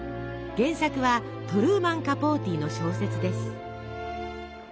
原作はトルーマン・カポーティの小説です。